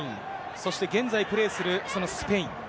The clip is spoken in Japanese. そして現在プレーするそのスペイン。